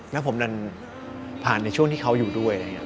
แล้วผมดันผ่านในช่วงที่เขาอยู่ด้วย